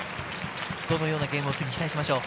どのようなゲームを次期待しましょう？